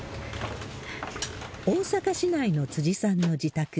大阪市内の辻さんの自宅。